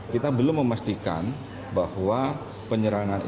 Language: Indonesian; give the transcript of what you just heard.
kita belum memastikan bahwa penyerangan itu